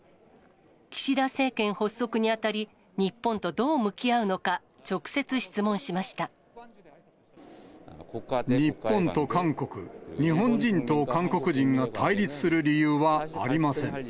岸田政権発足にあたり、日本とどう向き合うのか、直接質問しまし日本と韓国、日本人と韓国人が対立する理由はありません。